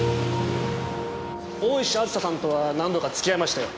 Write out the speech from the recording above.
大石あずささんとは何度か付き合いましたよ。